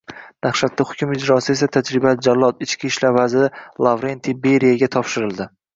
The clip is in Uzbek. Dahshatli hukm ijrosi esa tajribali jallod – Ichki ishlar vaziri Lavrentiy Beriyaga topshirildi